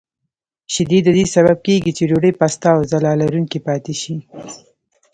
شیدې د دې سبب کېږي چې ډوډۍ پسته او ځلا لرونکې پاتې شي.